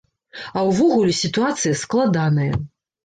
А ўвогуле, сітуацыя складаная.